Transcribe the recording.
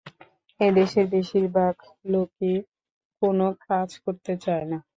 এ-দেশের বেশির ভাগ লোকই কোনো কাজ করতে চায় না।